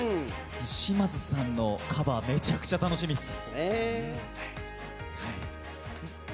島津さんのカバーめちゃくちゃ楽しみです。